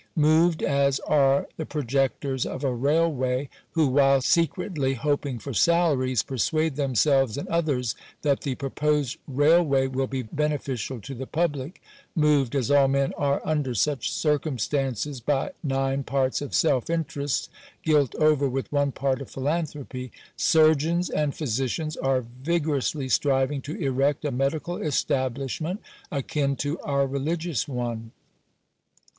Moved as are the projectors of a railway, who, whilst secretly hoping for salaries, persuade themselves and others that the proposed railway will be beneficial to the public — moved as all men are under such circumstances, by nine parts of self interest gilt over with one part of philanthropy — surgeons and physicians are vigorously striving to erect a medical establishment akin to our religious one.